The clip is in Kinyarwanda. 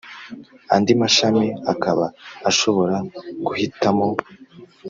andi mashami akaba ashobora kugihitamo.